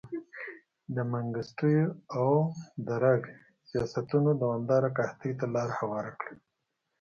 د منګستیو او درګ سیاستونو دوامداره قحطۍ ته لار هواره کړه.